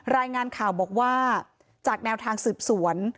รายงานข่าวบอกว่าจากแนวทางสืบสวน